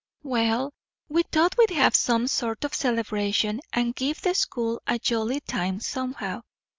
"Well, we thought we'd have some sort of celebration, and give the school a jolly time somehow.